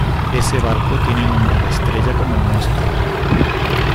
ese barco tiene nombre de estrella como el nuestro.